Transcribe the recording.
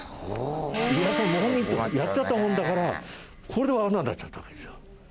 家康を謀反人とやっちゃったもんだからこれでわかんなくなっちゃったわけですよ。